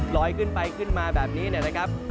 ลอยขึ้นไปขึ้นมาแบบนี้นะครับ